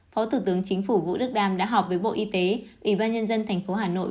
phó thủ tướng chính phủ vũ đức đam đã họp với bộ y tế ủy ban nhân dân tp hà nội